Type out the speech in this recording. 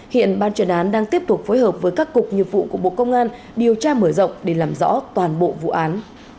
hiện ban chuyển án đang tiếp tục phối hợp với các cục nhiệm vụ của bộ công an điều tra mở rộng để làm rõ toàn bộ vụ án